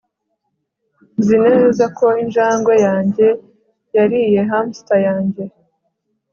Nzi neza ko injangwe yanjye yariye hamster yanjye